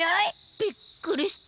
びっくりした。